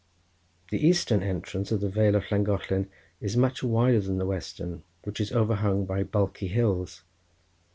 The eastern entrance of the vale of Llangollen is much wider than the western, which is overhung by bulky hills.